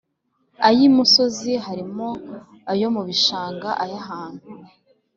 Ay imusozi harimo ayo mu bishanga ay ahantu